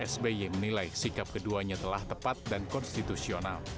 sby menilai sikap keduanya telah tepat dan konstitusional